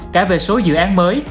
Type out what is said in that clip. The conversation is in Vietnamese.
cả về số dự án mới